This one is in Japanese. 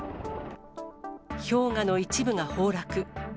氷河の一部が崩落。